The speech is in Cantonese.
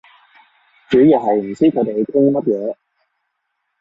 主要係唔知佢哋傾乜嘢